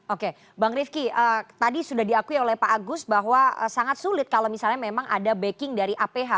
oke bang rifki tadi sudah diakui oleh pak agus bahwa sangat sulit kalau misalnya memang ada backing dari aph